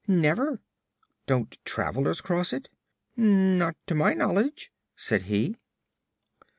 "Never." "Don't travelers cross it?" "Not to my knowledge," said he.